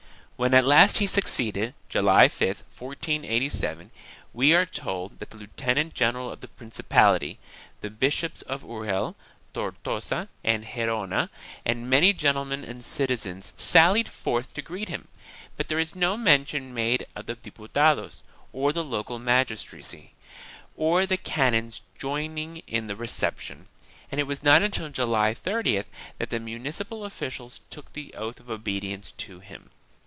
When at last he succeeded, July 5, 1487, we are told that the Lieutenant general of the Prin cipality, the Bishops of Urgel, Tortosa and Gerona and many gentlemen and citizens sallied forth to greet him, but there is no mention made of the Diputados, or the local magistracy, or the canons joining in the reception, and it was not until July 30th that the municipal officials took the oath of obedience to him.